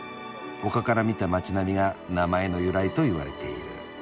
丘から見た街並みが名前の由来といわれている」。